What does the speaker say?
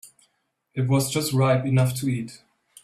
It was just ripe enough to eat.